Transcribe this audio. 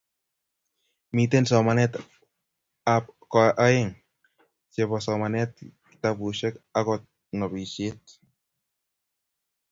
miten somanetab ko aeng :chebo somanetab kitabushek ago nobishet